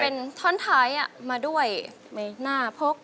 เป็นท่อนท้ายมาด้วยใบหน้าพก